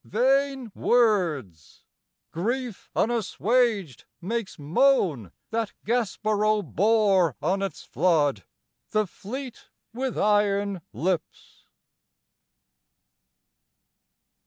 Vain words! Grief unassuaged makes moan that Gaspereau Bore on its flood the fleet with iron lips!